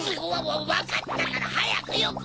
わかったからはやくよこせ！